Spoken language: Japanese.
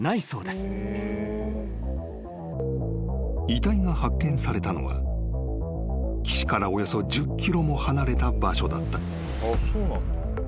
［遺体が発見されたのは岸からおよそ１０ｋｍも離れた場所だった］